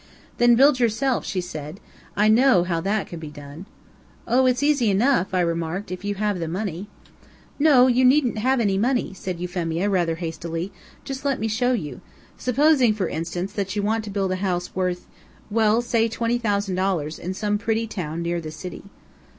"Then build yourself," she said; "I know how that can be done." "Oh, it's easy enough," I remarked, "if you have the money." "No, you needn't have any money," said Euphemia, rather hastily. "Just let me show you. Supposing, for instance, that you want to build a house worth well, say twenty thousand dollars, in some pretty town near the city."